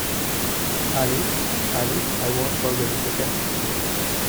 Alice—Alice—I won’t forget it again.